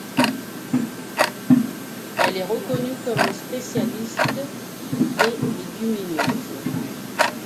Elle est reconnue comme une spécialiste des légumineuses.